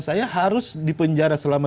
saya harus dipenjara selama